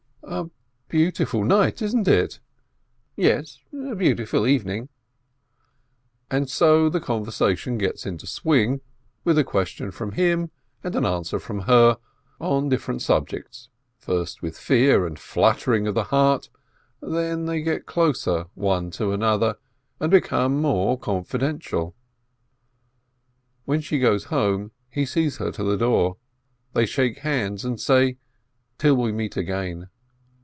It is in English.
"A beautiful night, isn't it?" "Yes, a beautiful evening." And so the conversation gets into swing, with a ques tion from him and an answer from her, on different subjects, first with fear and fluttering of the heart, then they get closer one to another, and become more confi dential. When she goes home, he sees her to the door, they shake hands and say, "Till we meet again